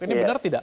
ini benar tidak